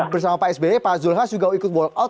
bersama pak sby pak zulhas juga ikut walk out